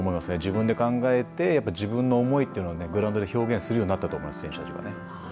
自分で考えてやっぱり自分の思いというのをグラウンドで表現するようになったと思います。